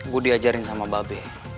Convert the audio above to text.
gue diajarin sama babe